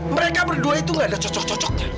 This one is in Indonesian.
mereka berdua itu gak ada cocok cocoknya